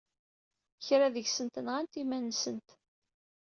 Kra deg-sent nɣant iman-nsent.